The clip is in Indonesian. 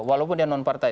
walaupun dia non partai